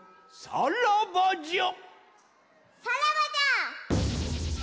さらばじゃ！